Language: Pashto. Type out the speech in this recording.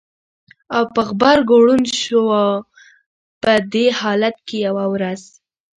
او په غبرګو ړوند شو! په دې حالت کې یوه ورځ